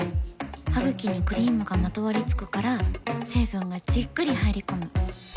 ハグキにクリームがまとわりつくから成分がじっくり入り込む。